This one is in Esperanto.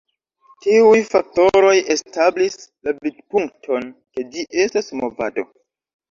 Tiuj faktoroj establis la vidpunkton ke ĝi estas "movado".